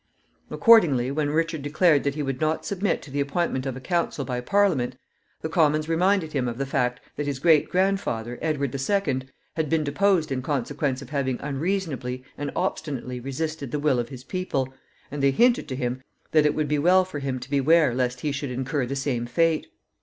Accordingly, when Richard declared that he would not submit to the appointment of a council by Parliament, the Commons reminded him of the fact that his great grandfather, Edward the Second, had been deposed in consequence of having unreasonably and obstinately resisted the will of his people, and they hinted to him that it would be well for him to beware lest he should incur the same fate.